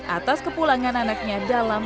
atas kepulangan anaknya dalam